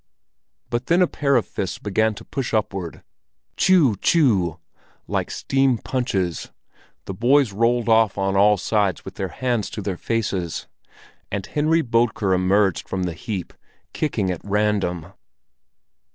But then a pair of fists began to push upward, tchew, tchew, like steam punches, the boys rolled off on all sides with their hands to their faces, and Henry Bodker emerged from the heap, kicking at random.